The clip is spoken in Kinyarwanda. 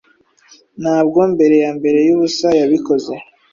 Ntabwo mbere yambere yubusa yabikoze